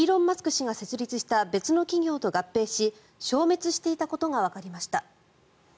氏が設立した別の企業と合併し消滅していたことがわかりました。